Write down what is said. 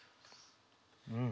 うん。